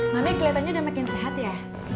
mami kelihatannya udah makin sehat ya